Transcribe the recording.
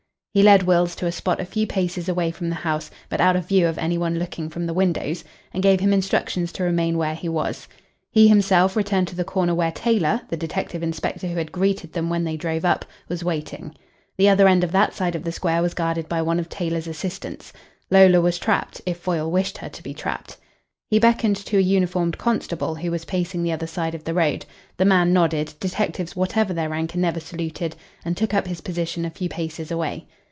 He led Wills to a spot a few paces away from the house, but out of view of any one looking from the windows, and gave him instructions to remain where he was. He himself returned to the corner where Taylor, the detective inspector who had greeted them when they drove up, was waiting. The other end of that side of the square was guarded by one of Taylor's assistants. Lola was trapped if Foyle wished her to be trapped. He beckoned to a uniformed constable who was pacing the other side of the road. The man nodded detectives whatever their rank are never saluted and took up his position a few paces away.